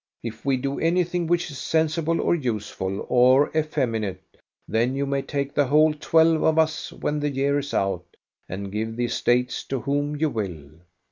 If we do anything which is sensible, or useful, or effeminate, then you may take the whole twelve of us when the year is out, and give the estates to whom you will."